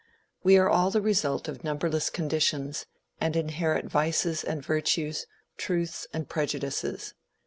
We are all the result of numberless conditions, and inherit vices and virtues, truths and prejudices.